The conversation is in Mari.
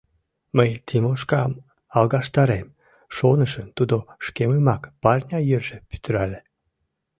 Мый Тимошкам алгаштарем, шонышым, тудо шкемымак парня йырже пӱтырале.